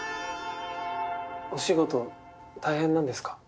お仕事大変なんですか？